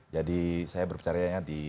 jadi saya berbicara hanya di